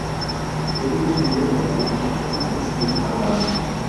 Fue bien recibido por el público, así que decidió formar una banda.